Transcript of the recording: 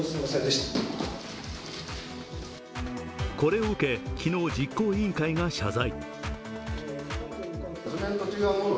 これを受け、昨日、実行委員会が謝罪。